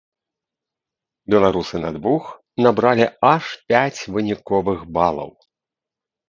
Беларусы на двух набралі аж пяць выніковых балаў.